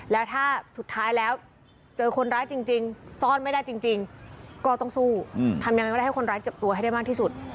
แล้วถ้าสุดท้ายแล้วเจอคนร้ายจริงซ่อนไม่ได้จริงก็ต้องสู้ทำยังไงก็ได้ให้คนร้ายเจ็บตัวให้ได้มากที่สุด